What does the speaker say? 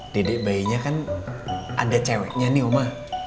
dedek bayinya kan ada ceweknya nih oma